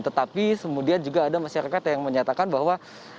tetapi kemudian juga ada masyarakat yang menyatakan bahwa